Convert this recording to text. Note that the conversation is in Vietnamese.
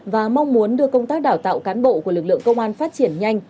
và mong muốn được công tác đảo tạo cán bộ của lực lượng công an phát triển nhanh